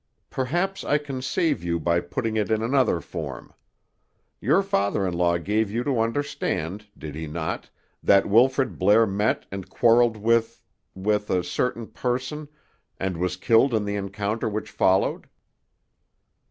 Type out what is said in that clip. "Perhaps I can save you by putting it in another form. Your father in law gave you to understand, did he not, that Wilfrid Blair met and quarreled with—with a certain person, and was killed in the encounter which followed?"